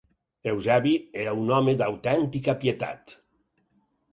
Eusebi era un home d'autèntica pietat.